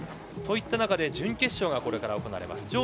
といった中で準決勝がこれから行われます。